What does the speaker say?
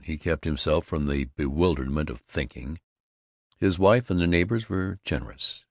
He kept himself from the bewilderment of thinking. His wife and the neighbors were generous.